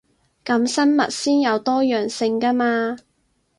噉生物先有多樣性 𠺢 嘛